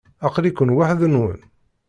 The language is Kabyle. Aqli-ken waḥd-nwen?